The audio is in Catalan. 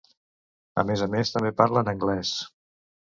A més a més, també parlen anglès.